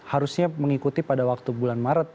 harusnya mengikuti pada waktu bulan maret